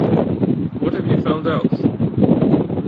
What have you found out?